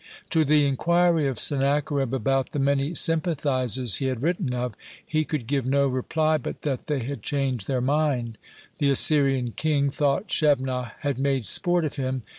To the inquiry of Sennacherib about the many sympathizers he had written of, he could give no reply but that they had changed their mind. The Assyrian king thought Shebnah had made sport of him.